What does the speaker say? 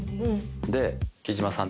で貴島さん。